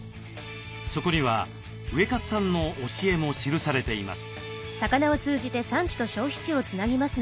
そこにはウエカツさんの教えも記されています。